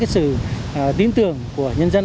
sự tin tưởng của nhân dân